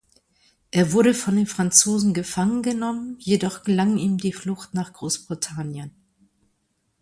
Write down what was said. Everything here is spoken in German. Er wurde von den Franzosen gefangen genommen, jedoch gelang ihm die Flucht nach Großbritannien.